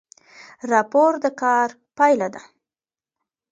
راپور د کار پایله ده